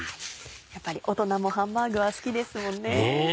やっぱり大人もハンバーグは好きですもんね。